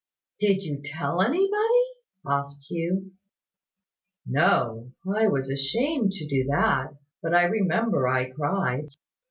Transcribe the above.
"Did you tell anybody?" asked Hugh. "No; I was ashamed to do that: but I remember I cried.